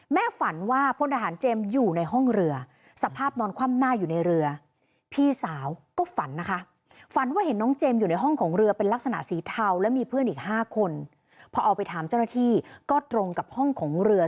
แม่ฝันว่าผลอาหารเจมอยู่ในห้องเรือ